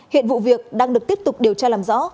hiện vụ việc đang được tiếp tục điều tra làm rõ